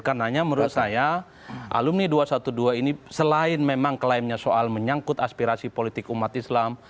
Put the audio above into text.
karena menurut saya alumni dua ratus dua belas ini selain memang klaimnya soal menyangkut aspirasi politik umat islam